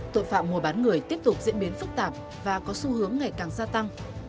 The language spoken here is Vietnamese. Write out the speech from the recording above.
tội phạm mùa bán người tiếp tục diễn biến phức tạp và có xu hướng ngày càng gia tăng